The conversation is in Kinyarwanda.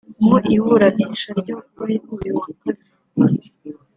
Mu iburanisha ryo kuri uyu wa Kane